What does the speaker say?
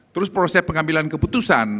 terus proses pengambilan keputusan